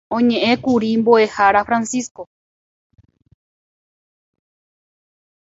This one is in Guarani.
Upéikatu oñe'ẽkuri mbo'ehára Francisco